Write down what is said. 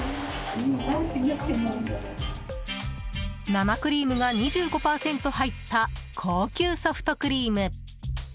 生クリームが２５％入った高級ソフトクリーム。